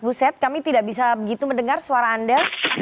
mas buset kami tidak bisa begitu mendengar suara anda